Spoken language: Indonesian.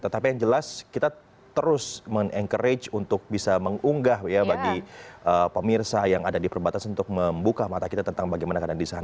tetapi yang jelas kita terus meng encourage untuk bisa mengunggah ya bagi pemirsa yang ada di perbatasan untuk membuka mata kita tentang bagaimana keadaan di sana